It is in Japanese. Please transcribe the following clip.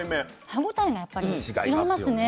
歯応えがやっぱり違いますね。